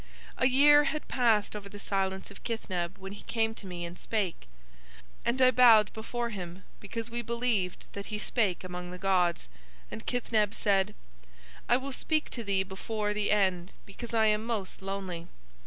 "A year had passed over the silence of Kithneb when he came to me and spake. And I bowed before him because we believed that he spake among the gods. And Kithneb said: "'I will speak to thee before the end because I am most lonely.